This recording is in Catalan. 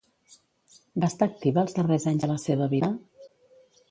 Va estar activa els darrers anys de la seva vida?